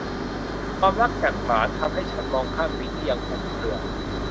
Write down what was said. ความรักจากหลาน ทำให้ฉันมองข้ามสิ่งที่ยังคลุมเคลือ